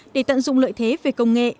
để tận dụng lợi thế về công nghệ